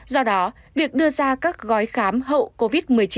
do đó việc đưa ra các gói khám hậu covid một mươi chín